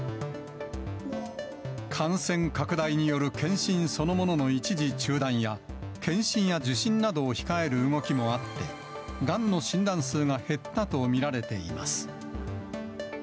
感染拡大による検診そのものの一時中断や、検診や受診などを控える動きもあって、がんの診断数が減ったと見られています。